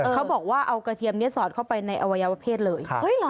เขาบอกว่าเอากระเทียมนี้สอดเข้าไปในอวัยวะเพศเลย